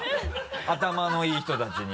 頭のいい人たちに。